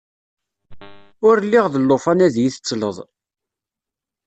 Ur lliɣ d llufan ad iyi-tettleḍ!